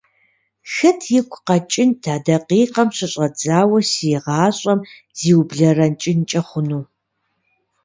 Хэт игу къэкӀынт а дакъикъэм щыщӀэдзауэ си гъащӀэм зиублэрэкӀынкӀэ хъуну…